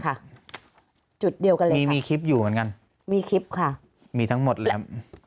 ข้าก็เลยปะมีคลิปอยู่ยังกันมีคลิปค่ะมีทั้งหมดเลี้ยว